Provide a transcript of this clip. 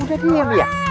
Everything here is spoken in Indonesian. udah dingin ya